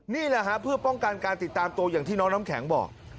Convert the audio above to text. นี่แหละฮะเพื่อป้องกันการติดตามตัวอย่างที่น้องน้ำแข็งบอก